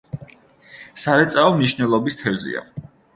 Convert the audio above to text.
სარეწაო მნიშვნელობის თევზია.